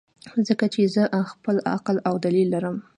ځکه چې زۀ خپل عقل او دليل لرم -